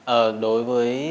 ờ đối với